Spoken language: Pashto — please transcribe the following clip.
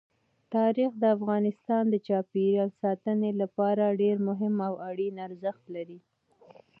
تاریخ د افغانستان د چاپیریال ساتنې لپاره ډېر مهم او اړین ارزښت لري.